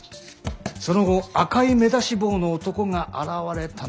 その後赤い目出し帽の男が現れたのが？